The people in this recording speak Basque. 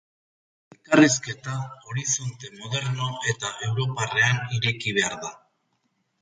Elkarrizketa horizonte moderno eta europarrean ireki behar da.